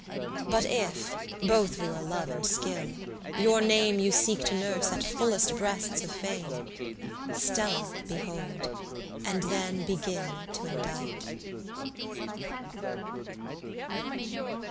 But if (both for your love and skill) your name You seek to nurse at fullest breasts of Fame, Stella behold, and then begin to endite.